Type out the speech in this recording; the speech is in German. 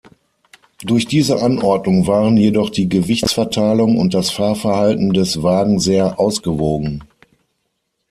Durch diese Anordnung waren jedoch die Gewichtsverteilung und das Fahrverhalten des Wagen sehr ausgewogen.